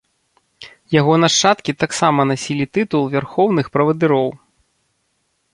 Яго нашчадкі таксама насілі тытул вярхоўных правадыроў.